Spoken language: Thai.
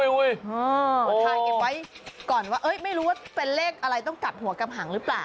เดี๋ยวถ่ายเก็บไว้ก่อนว่าไม่รู้ว่าเป็นเลขอะไรต้องกัดหัวกำหังหรือเปล่า